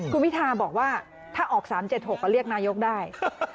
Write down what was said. คุณพิทาบอกว่าถ้าออก๓๗๖ก็เรียกนายกได้